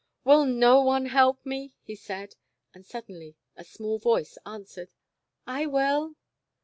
"Will no one help me?" he said, and sud denly a small voice answered : "I will."